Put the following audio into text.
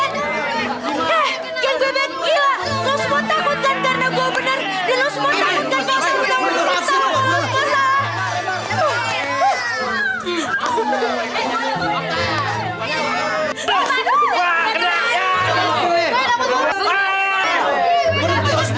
eh yang bebek gila lo semua takutkan karena gue bener dan lo semua takutkan